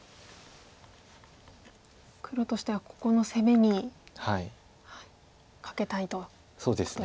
黒としてはここの攻めに懸けたいということですね。